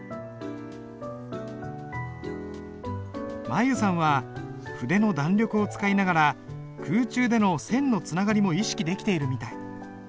舞悠さんは筆の弾力を使いながら空中での線のつながりも意識できているみたい。